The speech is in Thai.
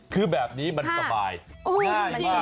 คือแบบนี้มันสบายง่ายมาก